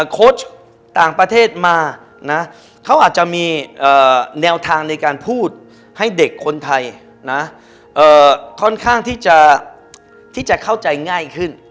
โค้ชต่างประเทศมานะเขาอาจจะมีแนวทางในการพูดให้เด็กคนไทยนะค่อนข้างที่จะเข้าใจง่ายขึ้น